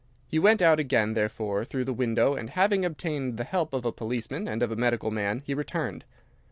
He went out again, therefore, through the window, and having obtained the help of a policeman and of a medical man, he returned.